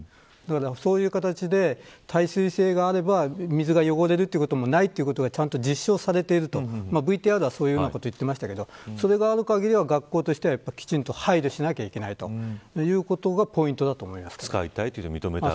そういう形で耐水性があれば水が汚れるということもないというのはちゃんと実証されているＶＴＲではそういわれてましたがそれがある限りは学校側としては配慮しなきゃいけないということがポイントだと思います。